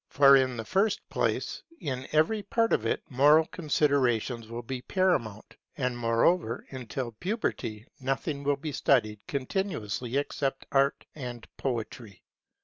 For in the first place, in every part of it, moral considerations will be paramount; and moreover, until puberty, nothing will be studied continuously except Art and Poetry.